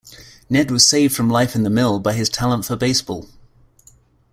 Ned was saved from life in the mill by his talent for baseball.